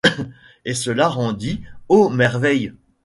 Et cela rendit, ô merveille